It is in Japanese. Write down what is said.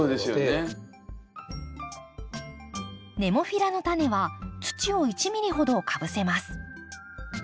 ネモフィラのタネは土を１ｍｍほどかぶせます。